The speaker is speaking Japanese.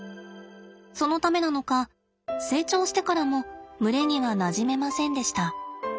そのためなのか成長してからも群れにはなじめませんでした。